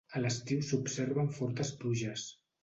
A l'estiu s'observen fortes pluges.